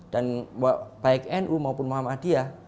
dan baik nu maupun muhammadiyah